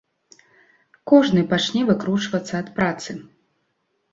Кожны пачне выкручвацца ад працы.